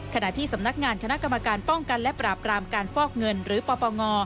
ขณะที่สำนักงานคณะกรรมการป้องกันและปราบรามการฟอกเงินหรือปปง